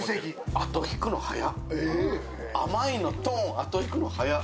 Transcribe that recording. あと引くの早っ。